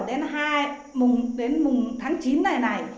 đến mùng tháng chín này này